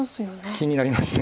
気になります。